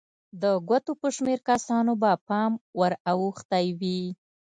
د ګوتو په شمېر کسانو به پام ور اوښتی وي.